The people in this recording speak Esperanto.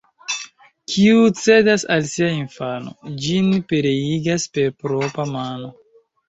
Kiu cedas al sia infano, ĝin pereigas per propra mano.